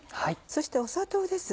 そして砂糖です。